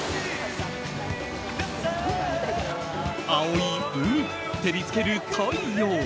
青い海、照りつける太陽。